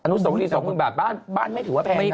อนุสาวรี๒๐๐๐๐บาทบ้านไม่ถือว่าแพงนะ